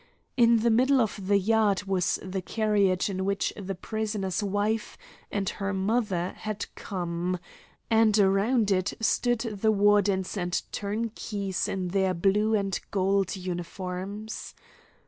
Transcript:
In the middle of the yard was the carriage in which the prisoner's wife and her mother had come, and around it stood the wardens and turnkeys in their blue and gold uniforms.